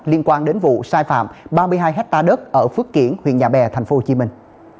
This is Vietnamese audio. liên quan đến vụ sai phạm ba mươi hai hectare đất ở phước kiển huyện nhà bè thành phố hồ chí minh